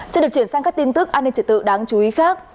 sẽ được chuyển sang các tin tức an ninh trị tự đáng chú ý khác